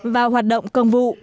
và hoạt động công vụ